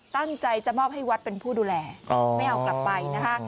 ตั้งใจจะมอบให้วัดเป็นผู้ดูแลไม่เอากลับไปนะคะ